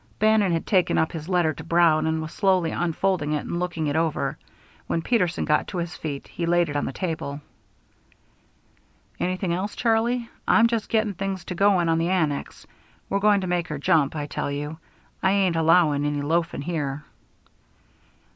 Bannon had taken up his letter to Brown, and was slowly unfolding it and looking it over. When Peterson got to his feet, he laid it on the table. "Anything else, Charlie? I'm just getting things to going on the annex. We're going to make her jump, I tell you. I ain't allowing any loafing there."